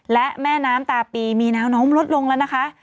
และแม่น้ำตาปีมีแนวโน้มลดลงแล้วนะคะ